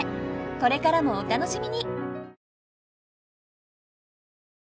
これからもお楽しみに。